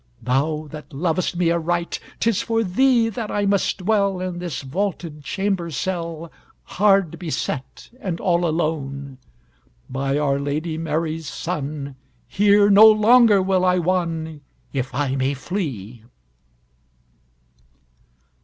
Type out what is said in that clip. Thou that lovest me aright! 'Tis for thee that I must dwell In this vaulted chamber cell, Hard beset and all alone! By our Lady Mary's Son Here no longer will I wonn, If I may flee!"